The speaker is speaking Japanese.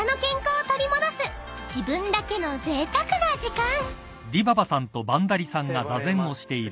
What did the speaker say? ［自分だけのぜいたくな時間］